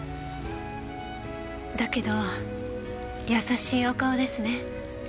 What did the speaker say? だけど優しいお顔ですね。